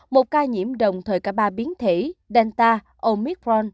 một ca nhiễm đồng thời cả ba biến thể delta omicron